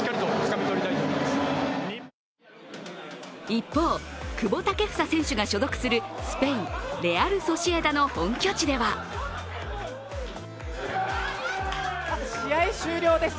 一方、久保建英選手が所属するスペイン、レアル・ソシエダの本拠地では試合終了です。